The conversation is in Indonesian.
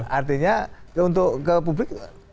kalau dikumpulkan ke publik